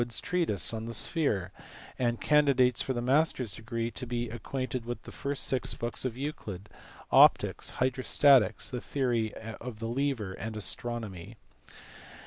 185 treatise on the sphere, and candidates for the master s degree to be acquainted with the first six books of Euclid, optics, hydrostatics, the theory of the lever, and astronomy.